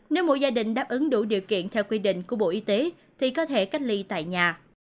nếu mỗi gia đình đáp ứng đủ điều kiện theo quy định của bộ y tế thì có thể cách ly tại nhà